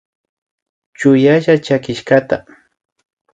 Chuyalla chakishkata